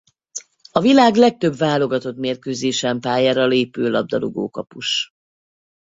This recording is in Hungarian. A világ legtöbb válogatott mérkőzésen pályára lépő labdarúgókapus.